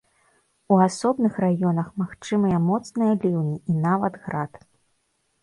У асобных раёнах магчымыя моцныя ліўні і нават град.